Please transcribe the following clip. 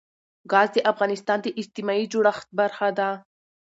ګاز د افغانستان د اجتماعي جوړښت برخه ده.